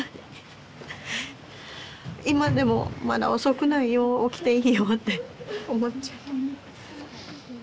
「今でもまだ遅くないよ起きていいよ」って思っちゃう。